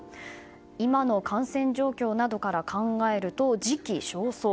今の感染状況などから考えると時期尚早。